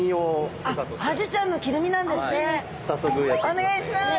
お願いします。